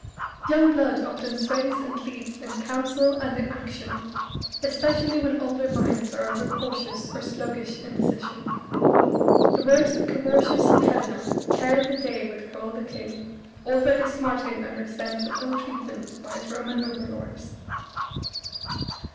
Young blood often sways and leads in council and in action, especially when older minds are over cautious or sluggish in decision. The words of Carausius and Helena carried the day with Coel the king, already smarting under a sense of ill treatment by his Roman over lords.